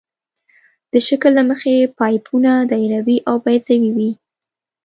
د شکل له مخې پایپونه دایروي او بیضوي وي